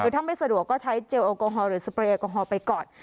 คือถ้าไม่สะดวกก็ใช้เจลแอลกอฮอลหรือสเปรยแอลกอฮอล์ไปก่อน